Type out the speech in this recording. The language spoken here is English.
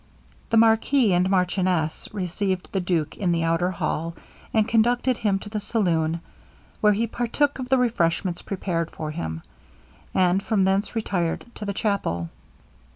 The marquis and marchioness received the duke in the outer hall, and conducted him to the saloon, where he partook of the refreshments prepared for him, and from thence retired to the chapel.